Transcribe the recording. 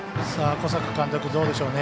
小坂監督、どうでしょうね。